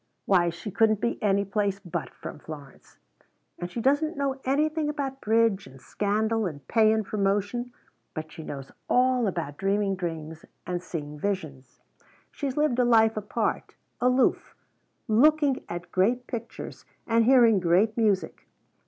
Why she couldn't be any place but from Florence and she doesn't know anything about bridge and scandal and pay and promotion but she knows all about dreaming dreams and seeing visions. She's lived a life apart aloof looking at great pictures and hearing great music.